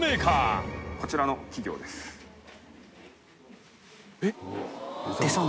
こちらの企業です。大島）